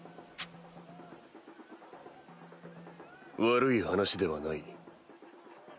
悪い話ではない。